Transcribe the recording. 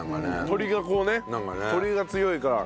鶏がこうね鶏が強いから。